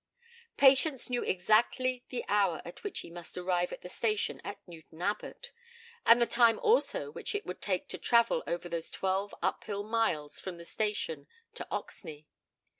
Patience knew exactly the hour at which he must arrive at the station at Newton Abbot, and the time also which it would take to travel over those twelve up hill miles from the station to Oxney.